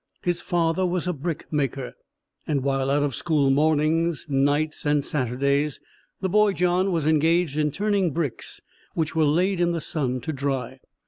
His father was a brick maker, and while out of school mornings, nights and Saturdays, the boy John was engaged in turning bricks which were laid in the sun to dry.